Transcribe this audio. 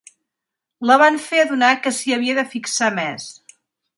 La van fer adonar que s'hi havia de fixar més.